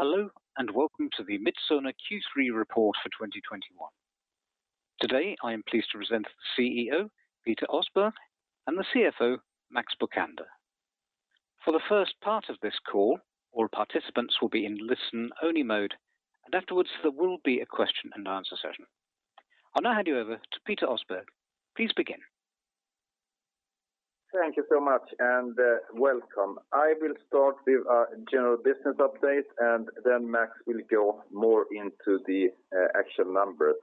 Hello, and welcome to the Midsona Q3 report for 2021. Today, I am pleased to present the CEO, Peter Åsberg, and the CFO, Max Bokander. For the first part of this call, all participants will be in listen-only mode, and afterwards, there will be a question and answer session. I'll now hand you over to Peter Åsberg. Please begin. Thank you so much, and welcome. I will start with a general business update, then Max will go more into the actual numbers.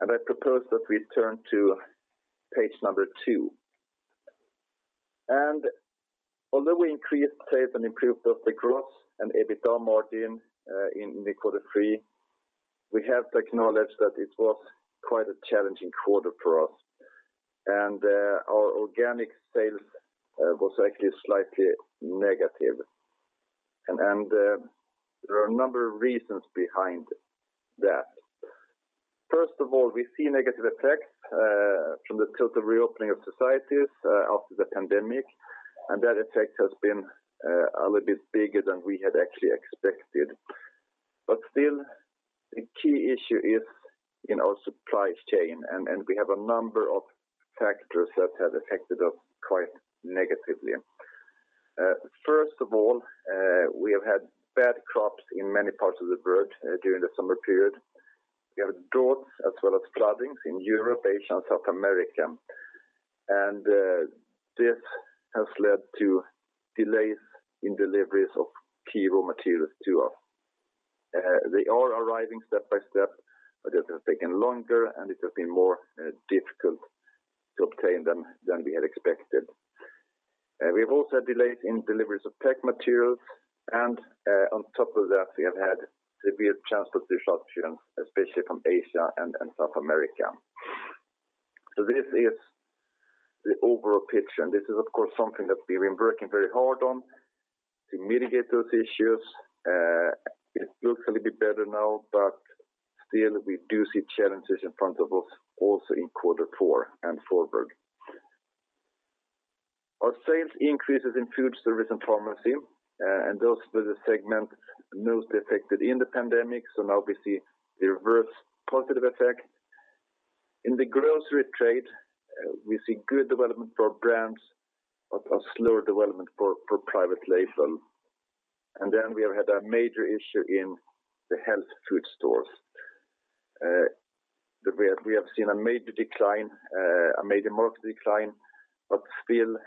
I propose that we turn to page number two. Although we increased sales and improved both the gross and EBITDA margin in Q3, we have to acknowledge that it was quite a challenging quarter for us. Our organic sales was actually slightly negative. There are a number of reasons behind that. First of all, we see negative effects from the total reopening of societies after the pandemic, and that effect has been a little bit bigger than we had actually expected. Still, the key issue is in our supply chain, and we have a number of factors that have affected us quite negatively. First of all, we have had bad crops in many parts of the world during the summer period. We have droughts as well as floodings in Europe, Asia, and South America. This has led to delays in deliveries of key raw materials to us. They are arriving step by step, but it has taken longer, and it has been more difficult to obtain them than we had expected. We have also delays in deliveries of tech materials and, on top of that, we have had severe transportation disruption, especially from Asia and South America. This is the overall picture, and this is, of course, something that we've been working very hard on to mitigate those issues. It looks a little bit better now, but still we do see challenges in front of us also in quarter four and forward. Our sales increases in food service and pharmacy, those were the segment most affected in the pandemic. Now we see the reverse positive effect. In the grocery trade, we see good development for brands, a slower development for private label. We have had a major issue in the health food stores. We have seen a major decline, a major market decline, still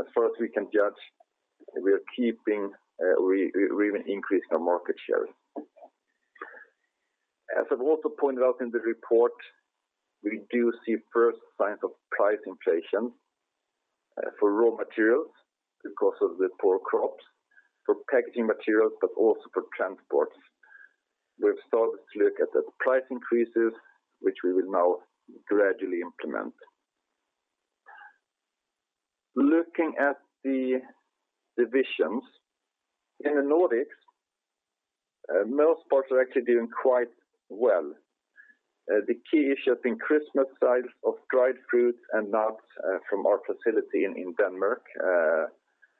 as far as we can judge, we're even increasing our market share. As I've also pointed out in the report, we do see first signs of price inflation for raw materials because of the poor crops, for packaging materials, also for transports. We've started to look at the price increases, which we will now gradually implement. Looking at the divisions, in the Nordics, most parts are actually doing quite well. The key issue has been Christmas sales of dried fruits and nuts from our facility in Denmark.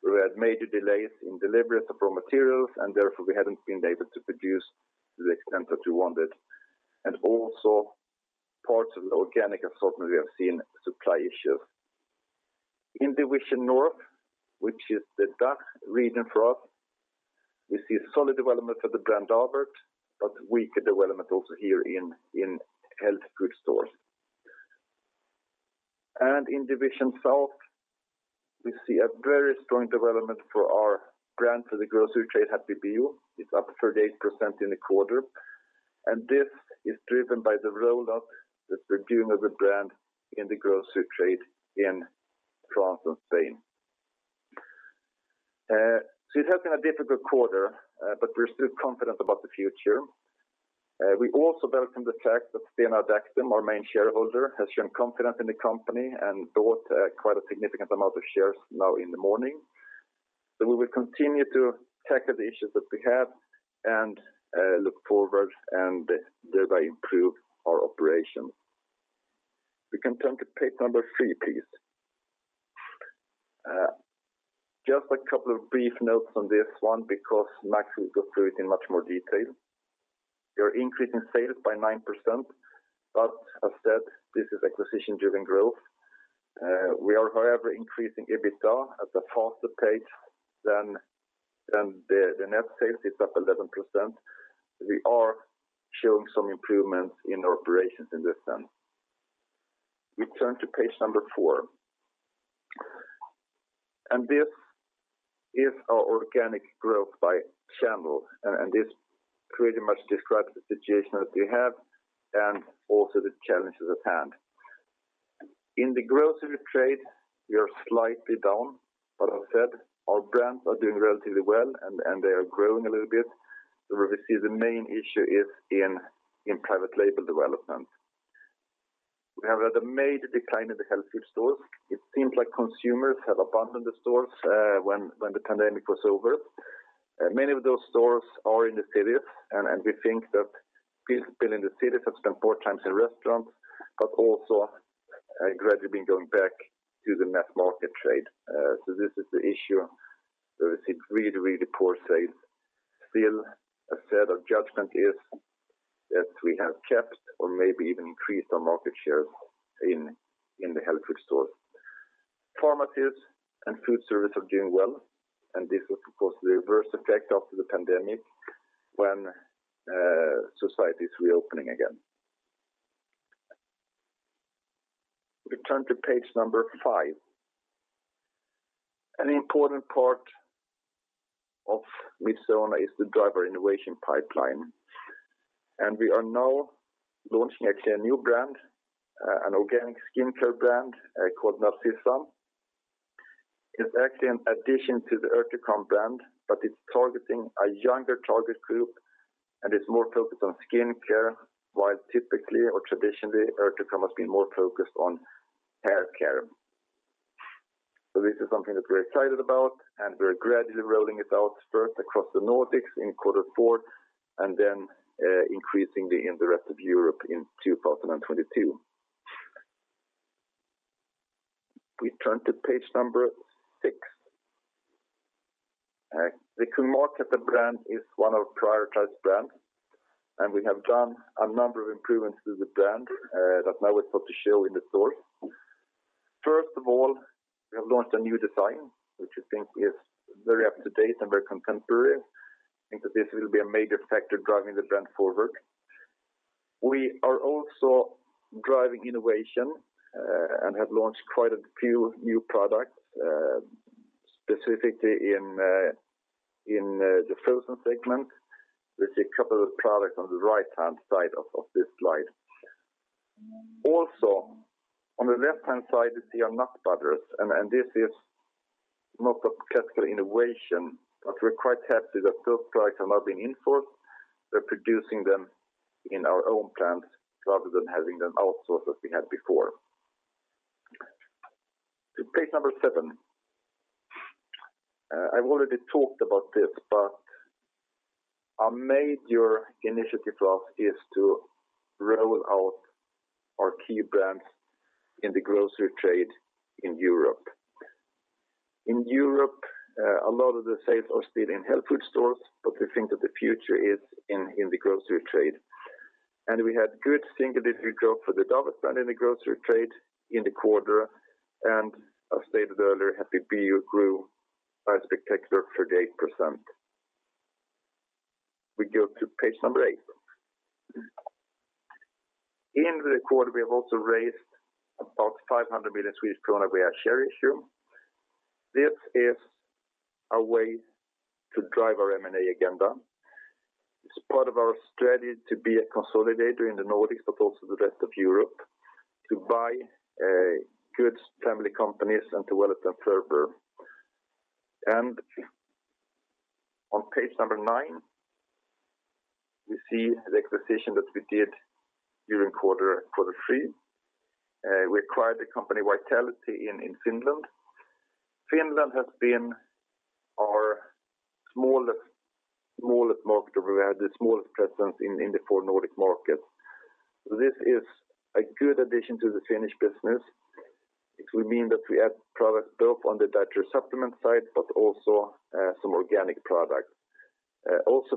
We had major delays in deliveries of raw materials, therefore we haven't been able to produce to the extent that we wanted. Also parts of the organic assortment we have seen supply issues. In Division North, which is the DACH region for us, we see solid development for the brand Davert, but weaker development also here in health food stores. In Division South, we see a very strong development for our brand for the grocery trade, Happy Bio. It's up 38% in the quarter, this is driven by the roll-up, the distribution of the brand in the grocery trade in France and Spain. It has been a difficult quarter, but we're still confident about the future. We also welcome the fact that CVC, our main shareholder, has shown confidence in the company and bought quite a significant amount of shares now in the morning. We will continue to tackle the issues that we have and look forward and thereby improve our operation. We can turn to page number three, please. Just a couple of brief notes on this one, because Max will go through it in much more detail. We are increasing sales by 9%, but as said, this is acquisition-driven growth. We are, however, increasing EBITDA at a faster pace than the net sales. It's up 11%. We are showing some improvements in our operations in this sense. We turn to page number four. This is our organic growth by channel, and this pretty much describes the situation that we have and also the challenges at hand. In the grocery trade, we are slightly down, but as said, our brands are doing relatively well, and they are growing a little bit. Where we see the main issue is in private label development. We have had a major decline in the health food stores. It seems like consumers have abandoned the stores when the pandemic was over. Many of those stores are in the cities, and we think that people in the cities have spent more times in restaurants, but also gradually been going back to the mass market trade. This is the issue. There is really poor sales. Still, I said our judgment is that we have kept or maybe even increased our market shares in the health food stores. Pharmacies and food service are doing well, and this was, of course, the reverse effect after the pandemic when society is reopening again. We turn to page number five. An important part of Midsona is the driver innovation pipeline, and we are now launching actually a new brand, an organic skincare brand called Narcissa. It's actually an addition to the Urtekram brand, but it's targeting a younger target group, and it's more focused on skincare, while typically or traditionally, Urtekram has been more focused on haircare. This is something that we're excited about, and we're gradually rolling it out first across the Nordics in Q4, and then increasingly in the rest of Europe in 2022. We turn to page number six. The Kung Markatta brand is one of our prioritized brands, and we have done a number of improvements to the brand that now is supposed to show in the stores. First of all, we have launched a new design, which I think is very up-to-date and very contemporary. I think that this will be a major factor driving the brand forward. We are also driving innovation and have launched quite a few new products, specifically in the frozen segment. You see a couple of products on the right-hand side of this slide. Also, on the left-hand side you see our nut butters, and this is not a category innovation, but we're quite happy that those products are now being in stores. We're producing them in our own plants rather than having them outsourced as we had before. To page number seven. I've already talked about this, but a major initiative for us is to roll out our key brands in the grocery trade in Europe. In Europe, a lot of the sales are still in health food stores, but we think that the future is in the grocery trade. We had good single-digit growth for the Davert brand in the grocery trade in the quarter, and I stated earlier, Happy Bio grew a spectacular 38%. We go to page number eight. In the quarter, we have also raised about 500 million Swedish krona via share issue. This is a way to drive our M&A agenda. It's part of our strategy to be a consolidator in the Nordics, but also the rest of Europe to buy good family companies and to develop them further. On page number nine, we see the acquisition that we did during quarter three. We acquired the company Vitality in Finland. Finland has been our smallest market. We've had the smallest presence in the four Nordic markets. This is a good addition to the Finnish business, which will mean that we add product both on the dietary supplement side, but also some organic products.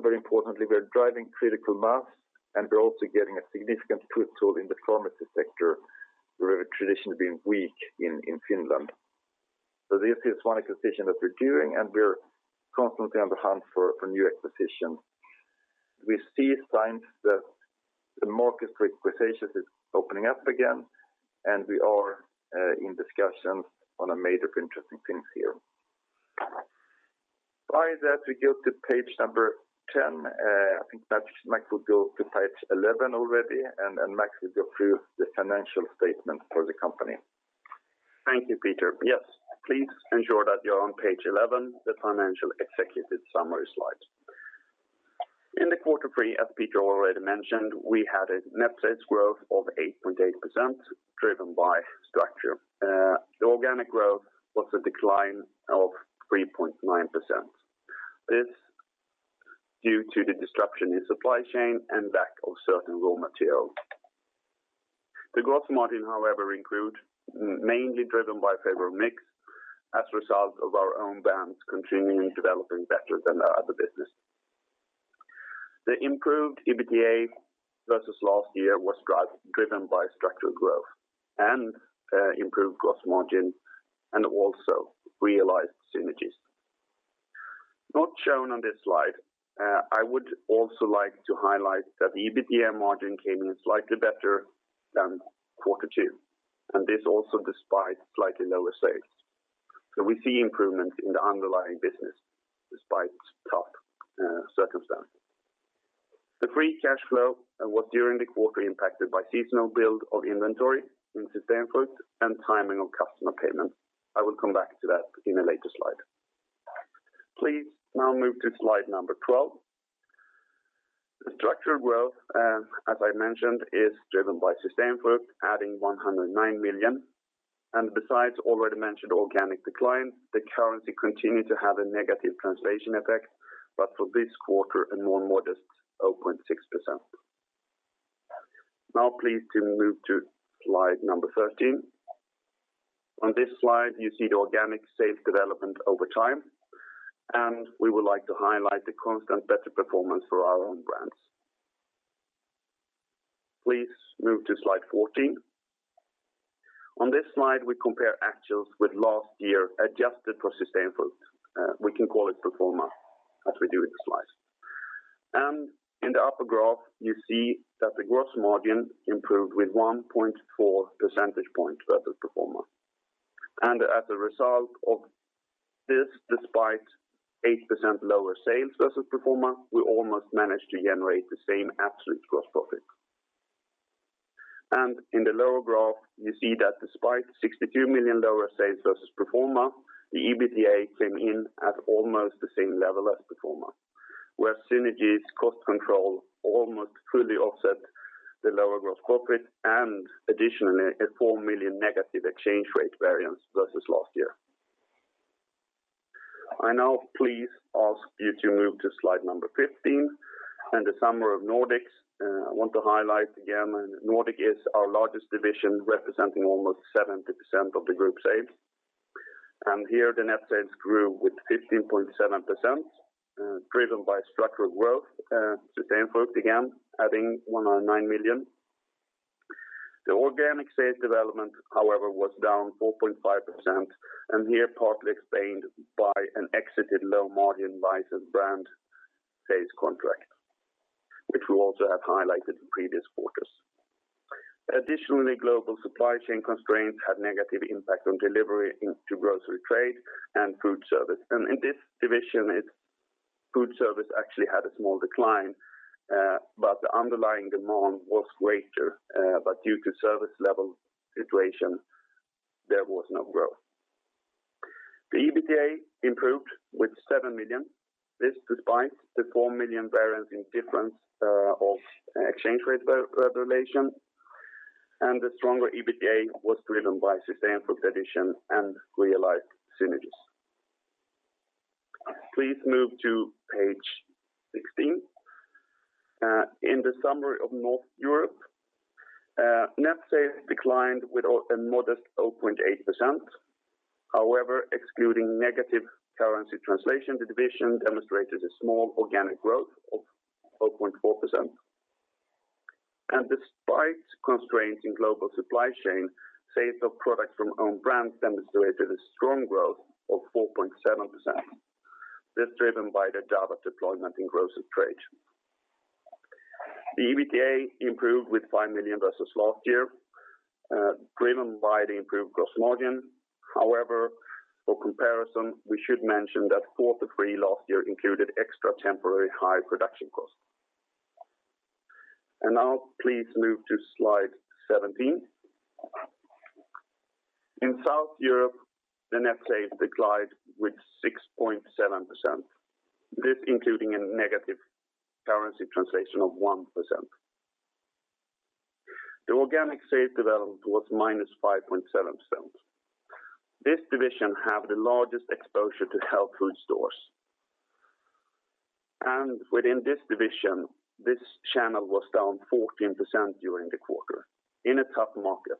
Very importantly, we're driving critical mass, and we're also getting a significant foothold in the pharmacy sector. We're very traditionally been weak in Finland. This is one acquisition that we're doing, and we're constantly on the hunt for new acquisitions. We see signs that the market for acquisitions is opening up again, and we are in discussions on a major interesting things here. By that, we go to page number 10. I think Max will go to page 11 already, and Max will go through the financial statement for the company. Thank you, Peter. Yes, please ensure that you're on page 11, the financial executive summary slide. In the quarter three, as Peter already mentioned, we had a net sales growth of 8.8% driven by structure. The organic growth was a decline of 3.9%. This is due to the disruption in supply chain and lack of certain raw materials. The gross margin, however, improved, mainly driven by favorable mix as a result of our own brands continuing developing better than our other business. The improved EBITDA versus last year was driven by structural growth and improved gross margin, and also realized synergies. Not shown on this slide, I would also like to highlight that the EBITDA margin came in slightly better than quarter two, this also despite slightly lower sales. We see improvement in the underlying business despite tough circumstances. The free cash flow was during the quarter impacted by seasonal build of inventory in System Frugt and timing of customer payments. I will come back to that in a later slide. Please now move to slide number 12. The structured growth, as I mentioned, is driven by System Frugt adding 109 million. Besides already mentioned organic decline, the currency continued to have a negative translation effect, but for this quarter, a more modest 0.6%. Please can move to slide number 13. On this slide, you see the organic sales development over time, and we would like to highlight the constant better performance for our own brands. Please move to slide 14. On this slide, we compare actuals with last year, adjusted for System Frugt. We can call it pro forma as we do in the slides. In the upper graph, you see that the gross margin improved with 1.4 percentage points versus pro forma. As a result of this, despite 8% lower sales versus pro forma, we almost managed to generate the same absolute gross profit. In the lower graph, you see that despite 62 million lower sales versus pro forma, the EBITDA came in at almost the same level as pro forma, where synergies cost control almost fully offset the lower gross profit and additionally, a 4 million negative exchange rate variance versus last year. I now please ask you to move to slide number 15 and the summary of Nordic. I want to highlight again that Nordic is our largest division, representing almost 70% of the group sales. Here, the net sales grew with 15.7%, driven by structural growth, System Frugt again adding 109 million. The organic sales development, however, was down 4.5% and here partly explained by an exited low-margin licensed brand sales contract, which we also have highlighted in previous quarters. Additionally, global supply chain constraints had negative impact on delivery into grocery trade and food service. In this division, food service actually had a small decline, but the underlying demand was greater. Due to service level situation, there was no growth. The EBITDA improved with 7 million. This despite the 4 million variance in difference of exchange rate regulation, and the stronger EBITDA was driven by System Frugt addition and realized synergies. Please move to page 16. In the summary of North Europe, net sales declined with a modest 0.8%. However, excluding negative currency translation, the division demonstrated a small organic growth of 4.4%. Despite constraints in global supply chain, sales of products from own brands demonstrated a strong growth of 4.7%. This driven by the Davert deployment in grocery trade. The EBITDA improved with 5 million versus last year, driven by the improved gross margin. However, for comparison, we should mention that Q3 last year included extra temporary high production costs. Now please move to slide 17. In South Europe, the net sales declined with 6.7%. This including a negative currency translation of 1%. The organic sales development was -5.7%. This division have the largest exposure to health food stores. Within this division, this channel was down 14% during the quarter in a tough market.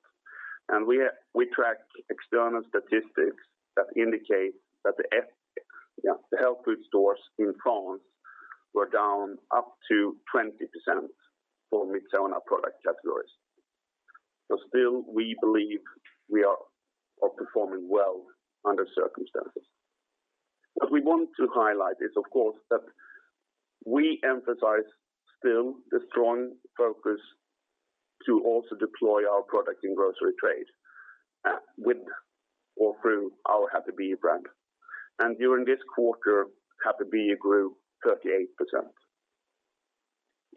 We track external statistics that indicate that the health food stores in France were down up to 20% for Midsona product categories. Still, we believe we are performing well under circumstances. What we want to highlight is, of course, that we emphasize still the strong focus to also deploy our product in grocery trade with or through our Happy Bio brand. During this quarter, Happy Bio grew 38%.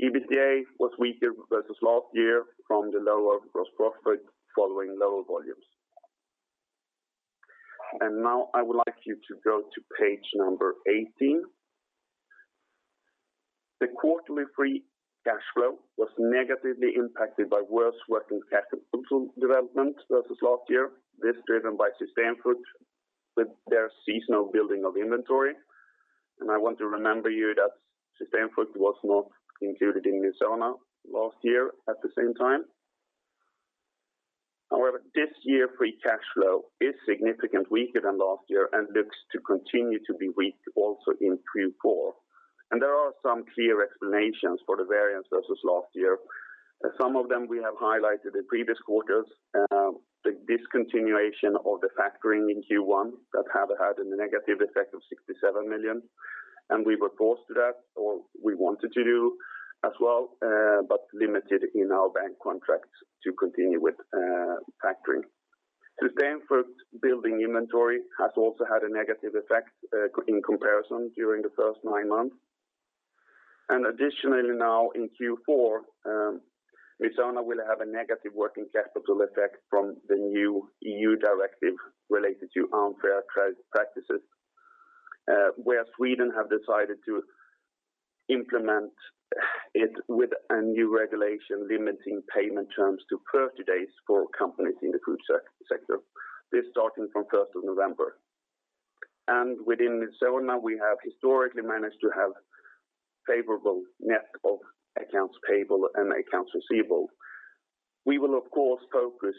EBITDA was weaker versus last year from the lower gross profit following lower volumes. Now I would like you to go to page 18. The quarterly free cash flow was negatively impacted by worse working capital development versus last year. This driven by System Frugt with their seasonal building of inventory. I want to remind you that System Frugt was not included in Midsona last year at the same time. However, this year, free cash flow is significantly weaker than last year and looks to continue to be weak also in Q4. There are some clear explanations for the variance versus last year. Some of them we have highlighted in previous quarters, the discontinuation of the factoring in Q1 that had a negative effect of 67 million. We were forced to that, or we wanted to do as well, but limited in our bank contracts to continue with factoring. System Frugt building inventory has also had a negative effect in comparison during the first nine months. Additionally, now in Q4, Midsona will have a negative working capital effect from the new EU directive related to unfair trade practices where Sweden have decided to implement it with a new regulation limiting payment terms to 30 days for companies in the food sector. This starting from 1st of November. Within Midsona, we have historically managed to have favorable net of accounts payable and accounts receivable. We will, of course, focus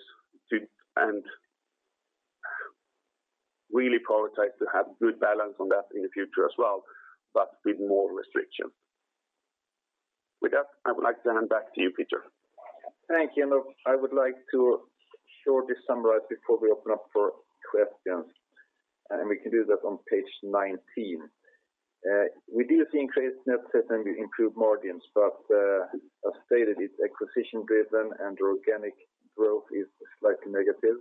and really prioritize to have good balance on that in the future as well, but with more restrictions. With that, I would like to hand back to you, Peter. Thank you. I would like to shortly summarize before we open up for questions. We can do that on page 19. We do see increased net sales and improved margins. As stated, it's acquisition-driven and organic growth is slightly negative.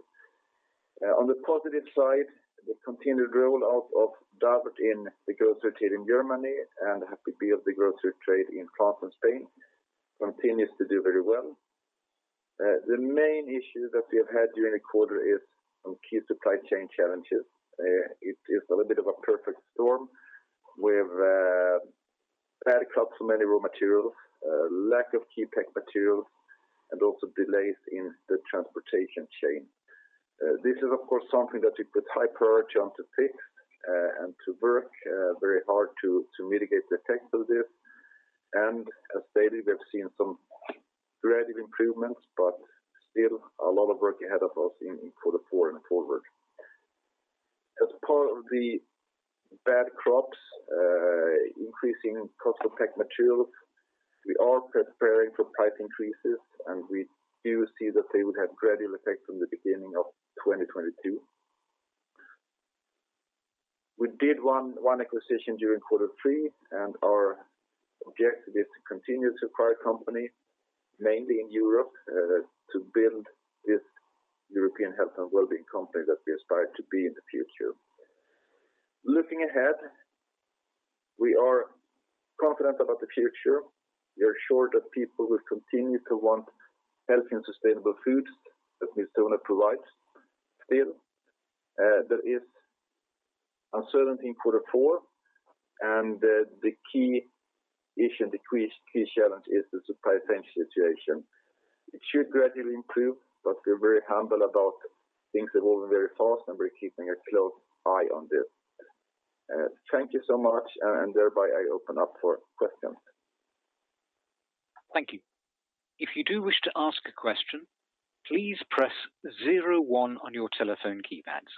On the positive side, the continued role of Davert in the grocery trade in Germany and Happy Bio of the grocery trade in France and Spain continues to do very well. The main issue that we have had during the quarter is on key supply chain challenges. It is a little bit of a perfect storm with bad crops for many raw materials, lack of key pack materials, and also delays in the transportation chain. This is, of course, something that we put high priority on to fix and to work very hard to mitigate the effects of this. As stated, we have seen some gradual improvements, but still a lot of work ahead of us in quarter four and forward. As part of the bad crops, increasing cost of pack materials, we are preparing for price increases, and we do see that they would have gradual effect from the beginning of 2022. We did one acquisition during quarter three, and our objective is to continue to acquire companies, mainly in Europe, to build this European health and well-being company that we aspire to be in the future. Looking ahead, we are confident about the future. We are sure that people will continue to want healthy and sustainable foods that Midsona provides. Still, there is uncertainty in quarter four, and the key issue and the key challenge is the supply chain situation. It should gradually improve, but we're very humble about things evolving very fast, and we're keeping a close eye on this. Thank you so much, and thereby I open up for questions. Thank you. If you do wish to ask a question, please press zero, one on your telephone keypads.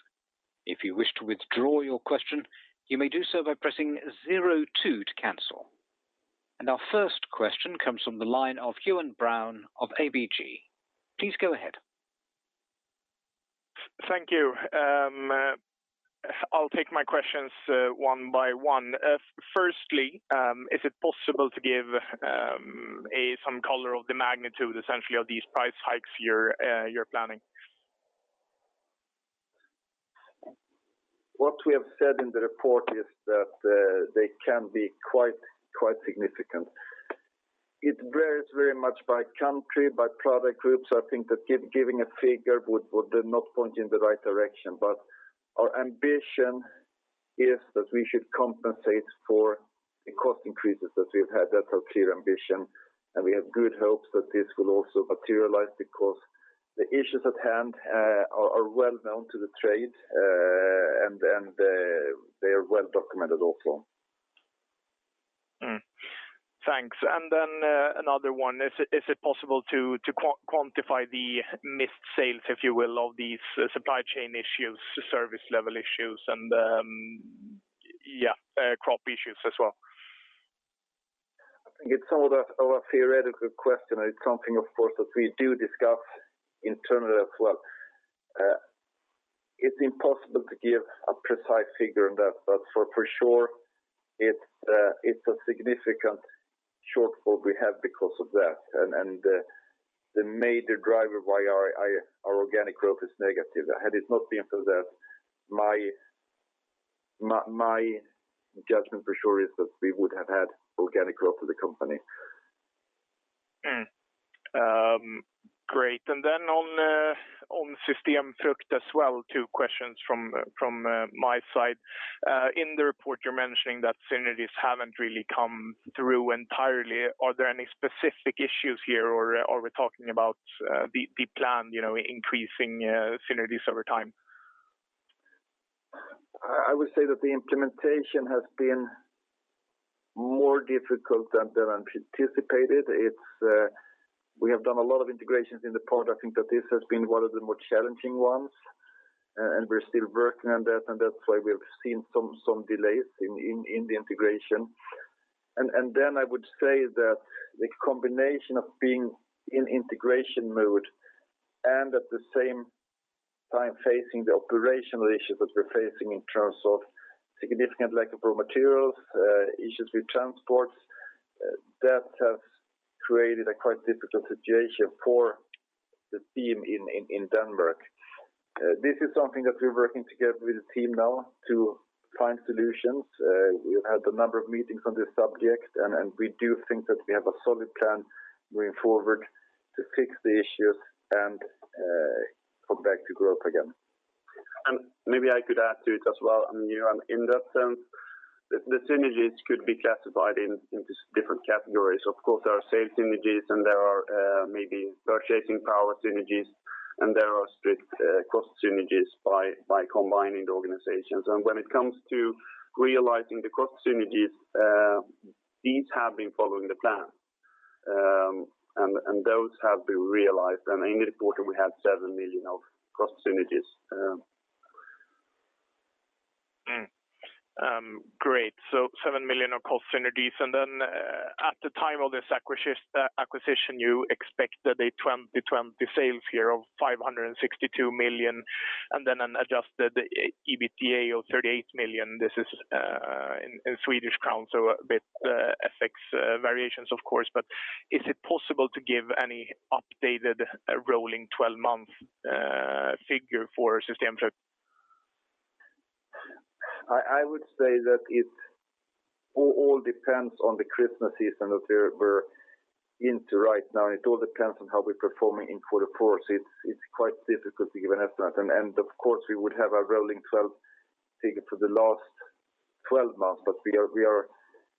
If you wish to withdraw your question, you may do so by pressing zero, two to cancel. Our first question comes from the line of Ewan Brown of ABG. Please go ahead. Thank you. I'll take my questions one by one. Firstly, is it possible to give some color of the magnitude, essentially, of these price hikes you're planning? What we have said in the report is that they can be quite significant. It varies very much by country, by product groups. I think that giving a figure would not point in the right direction. Our ambition is that we should compensate for the cost increases that we've had. That's our clear ambition, and we have good hopes that this will also materialize because the issues at hand are well-known to the trade, and they are well-documented also. Thanks. Another one. Is it possible to quantify the missed sales, if you will, of these supply chain issues, service level issues, and crop issues as well? I think it's all a theoretical question, and it's something, of course, that we do discuss internally as well. It's impossible to give a precise figure on that. For sure, it's a significant shortfall we have because of that and the major driver why our organic growth is negative. Had it not been for that, my judgment for sure is that we would have had organic growth for the company. Great. Then on System Frugt as well, two questions from my side. In the report, you're mentioning that synergies haven't really come through entirely. Are there any specific issues here, or are we talking about the plan increasing synergies over time? I would say that the implementation has been more difficult than anticipated. We have done a lot of integrations in the past. I think that this has been one of the more challenging ones, and we're still working on that, and that's why we have seen some delays in the integration. I would say that the combination of being in integration mode and at the same time facing the operational issues that we're facing in terms of significant lack of raw materials, issues with transports, that has created a quite difficult situation for the team in Denmark. This is something that we're working together with the team now to find solutions. We've had a number of meetings on this subject, we do think that we have a solid plan going forward to fix the issues and come back to growth again. Maybe I could add to it as well. In that sense, the synergies could be classified into different categories. Of course, there are sales synergies and there are maybe purchasing power synergies, and there are strict cost synergies by combining the organizations. When it comes to realizing the cost synergies, these have been following the plan. Those have been realized. In the quarter, we had SEK 7 million of cost synergies. Great. SEK 7 million of cost synergies. At the time of this acquisition, you expected a 2020 sales year of 562 million, and then an adjusted EBITDA of 38 million. This is in Swedish kronor, a bit FX variations, of course. Is it possible to give any updated rolling 12-month figure for System Frugt? I would say that it all depends on the Christmas season that we're into right now, and it all depends on how we're performing in quarter four. It's quite difficult to give an estimate. Of course, we would have a rolling 12 figure for the last 12 months, but we are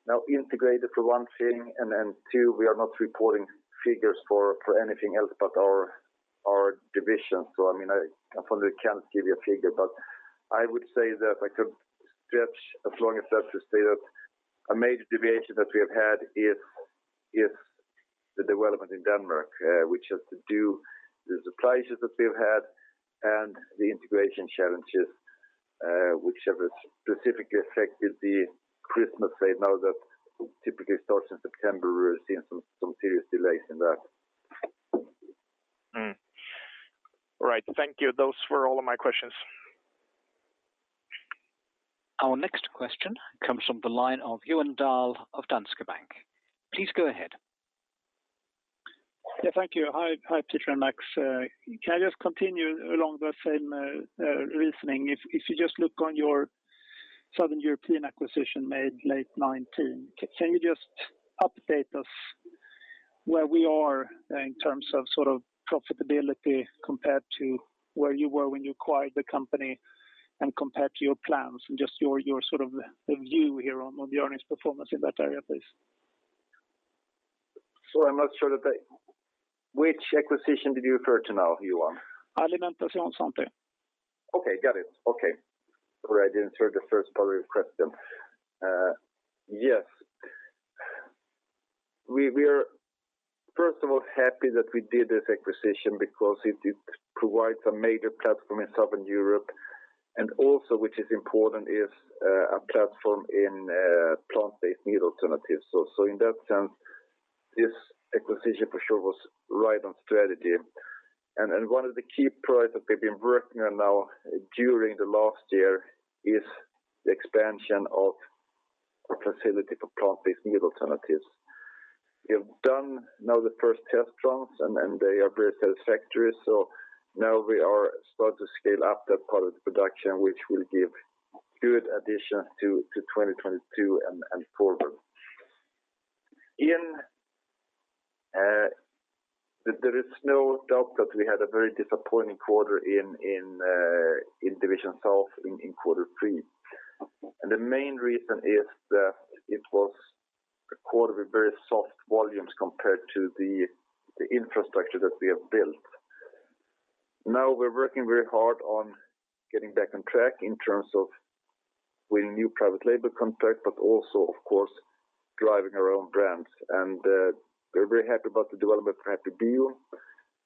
now integrated for one thing, and then two, we are not reporting figures for anything else but our divisions. I probably can't give you a figure, but I would say that I could stretch as long as that to say that a major deviation that we have had is the development in Denmark, which has to do with the supplies that we've had and the integration challenges, which have specifically affected the Christmas trade now that typically starts in September. We're seeing some serious delays in that. All right. Thank you. Those were all of my questions. Our next question comes from the line of Johan Dahl of Danske Bank. Please go ahead. Thank you. Hi, Peter and Max. Can I just continue along the same reasoning? You just look on your Southern European acquisition made late 2019, can you just update us where we are in terms of profitability compared to where you were when you acquired the company and compared to your plans and just your view here on the earnings performance in that area, please? Sorry, I'm not sure that I Which acquisition did you refer to now, Johan? Alimentation Santé. Okay, got it. Okay. Sorry, I didn't hear the first part of your question. Yes. We are first of all happy that we did this acquisition because it provides a major platform in Southern Europe, and also which is important is a platform in plant-based meat alternatives. In that sense, this acquisition for sure was right on strategy. One of the key products that we've been working on now during the last year is the expansion of our facility for plant-based meat alternatives. We have done now the first test runs, and they are very satisfactory. Now we are starting to scale up that part of the production, which will give good addition to 2022 and forward. There is no doubt that we had a very disappointing quarter in Division South in Quarter three. The main reason is that it was a quarter with very soft volumes compared to the infrastructure that we have built. Now we're working very hard on getting back on track in terms of winning new private label contracts, but also of course, driving our own brands. We're very happy about the development of Happy Bio.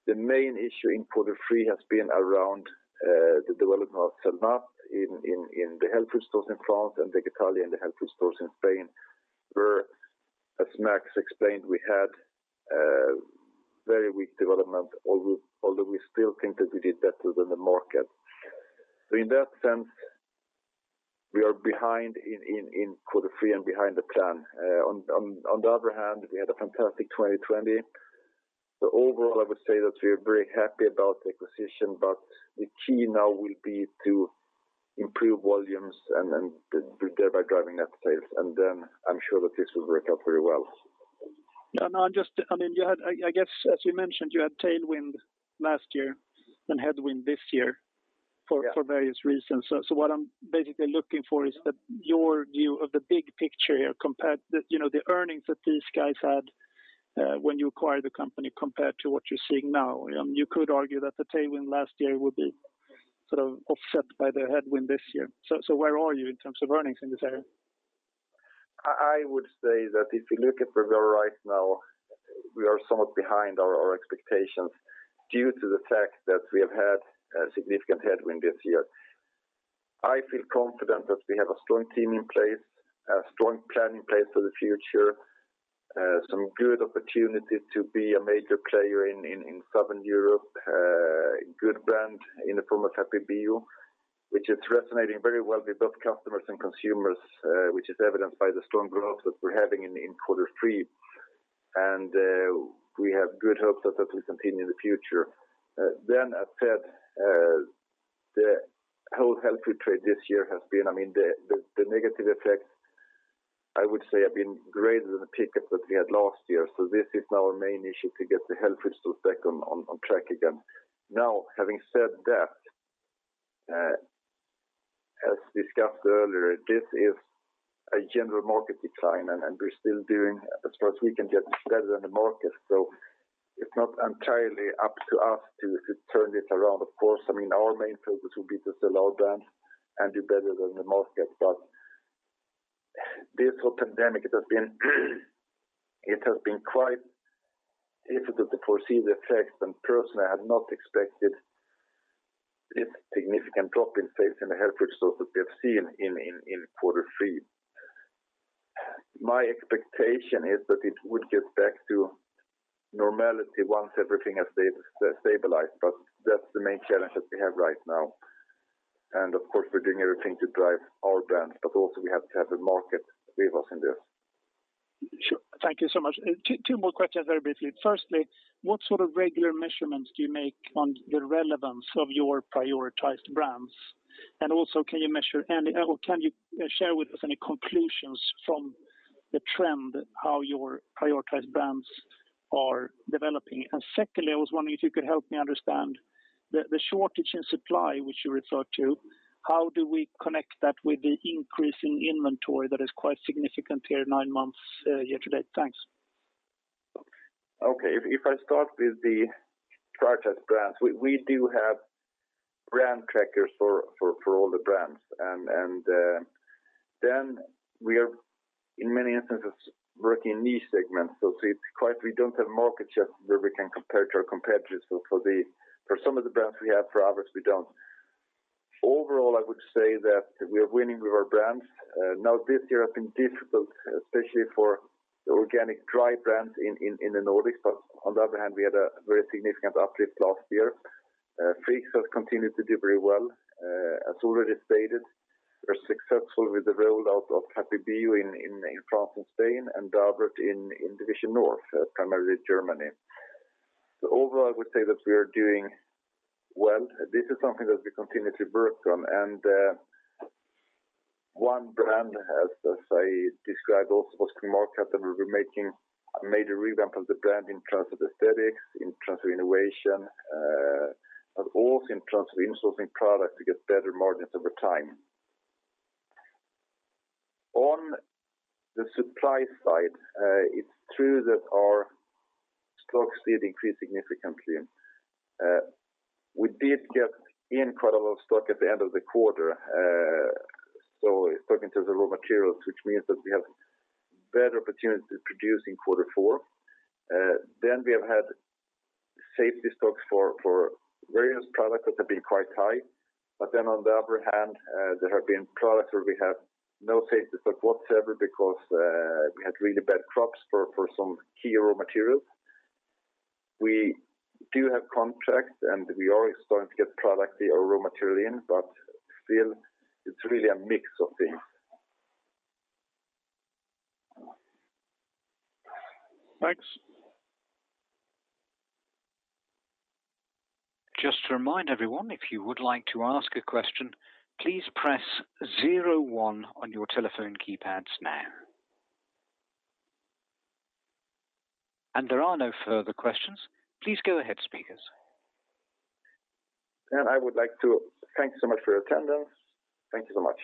The main issue in quarter three has been around the development of Celnat in the health food stores in France and Vegetalia in the health food stores in Spain, where, as Max explained, we had very weak development, although we still think that we did better than the market. In that sense, we are behind in quarter three and behind the plan. On the other hand, we had a fantastic 2020. Overall, I would say that we are very happy about the acquisition, but the key now will be to improve volumes and thereby driving up sales. Then I'm sure that this will work out very well. I guess as you mentioned, you had tailwind last year and headwind this year for various reasons. What I'm basically looking for is your view of the big picture here compared the earnings that these guys had when you acquired the company compared to what you're seeing now. You could argue that the tailwind last year would be sort of offset by the headwind this year. Where are you in terms of earnings in this area? I would say that if you look at where we are right now, we are somewhat behind our expectations due to the fact that we have had a significant headwind this year. I feel confident that we have a strong team in place, a strong plan in place for the future, some good opportunities to be a major player in Southern Europe, a good brand in the form of Happy Bio, which is resonating very well with both customers and consumers, which is evidenced by the strong growth that we're having in quarter three. We have good hopes that that will continue in the future. As said, the whole health food trade this year has been, the negative effects. I would say have been greater than the pickup that we had last year. This is now our main issue, to get the health food store back on track again. Having said that, as discussed earlier, this is a general market decline, and we're still doing as best we can, yet it's better than the market. It's not entirely up to us to turn this around, of course. Our main focus will be to sell our brands and do better than the market. This whole pandemic, it has been quite difficult to foresee the effects, and personally, I have not expected this significant drop in sales in the health food stores that we have seen in quarter three. My expectation is that it would get back to normality once everything has stabilized. That's the main challenge that we have right now, and of course, we're doing everything to drive our brands, but also we have to have the market with us in this. Sure. Thank you so much. Two more questions very briefly. Firstly, what sort of regular measurements do you make on the relevance of your prioritized brands? Can you measure, and/or can you share with us any conclusions from the trend how your prioritized brands are developing? Secondly, I was wondering if you could help me understand the shortage in supply which you referred to, how do we connect that with the increase in inventory that is quite significant here nine months year to date? Thanks. Okay. If I start with the prioritized brands, we do have brand trackers for all the brands. We are, in many instances, working in niche segments. We don't have market share where we can compare to our competitors. For some of the brands, we have, for others, we don't. Overall, I would say that we are winning with our brands. Now, this year has been difficult, especially for the organic dry brands in the Nordics, but on the other hand, we had a very significant uplift last year. Friggs has continued to do very well. As already stated, we're successful with the rollout of Happy Bio in France and Spain, and Davert in Division North, primarily Germany. Overall, I would say that we are doing well. This is something that we continuously work on. One brand, as I described also, was Kung Markatta, we made a revamp of the brand in terms of aesthetics, in terms of innovation, also in terms of insourcing product to get better margins over time. On the supply side, it's true that our stocks did increase significantly. We did get in quite a lot of stock at the end of the quarter, so talking to the raw materials, which means that we have better opportunities to produce in quarter four. We have had safety stocks for various products that have been quite high. On the other hand, there have been products where we have no safety stock whatsoever because we had really bad crops for some key raw materials. We do have contracts, we are starting to get product, the raw material in, still, it's really a mix of things. Thanks. Just to remind everyone, if you would like to ask a question, please press 01 on your telephone keypads now. There are no further questions. Please go ahead, speakers. I would like to thank you so much for your attendance. Thank you so much